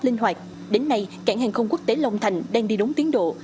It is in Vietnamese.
linh hoạt đến nay cảng hàng không quốc tế long thành đang đi đúng tiến độ